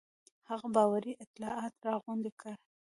هغه باوري اطلاعات راغونډ کړي.